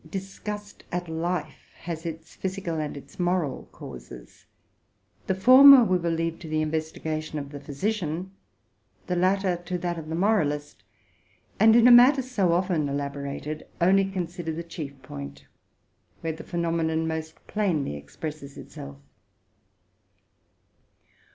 That disgust with life has its physical and its moral causes: the former we will leave to the investigation of the physician, the latter to that of the moralist, and, in a matter so often elaborated, only consider the chief point, where the phenomenon most plainly expresses itself.